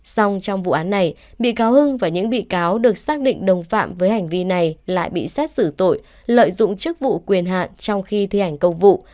xong trong vụ án này bị cáo hưng và những bị cáo được xác định đồng phạm với hành vi này lại bị xét xử tội lợi dụng chức vụ quyền hạn trong khi thi hành công vụ